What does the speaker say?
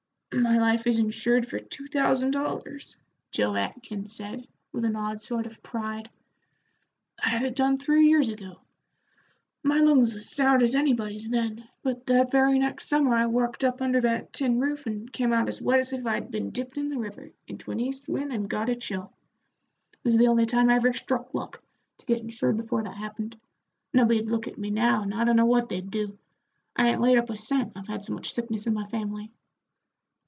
"My life is insured for two thousand dollars," Joe Atkins said, with an odd sort of pride. "I had it done three years ago. My lungs was sound as anybody's then, but that very next summer I worked up under that tin roof, and came out as wet as if I'd been dipped in the river, into an east wind, and got a chill. It was the only time I ever struck luck to get insured before that happened. Nobody'd look at me now, and I dunno what they'd do. I 'ain't laid up a cent, I've had so much sickness in my family."